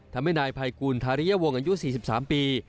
ทำให้นายภัยกูลทาริยวงอายุ๔๓ปี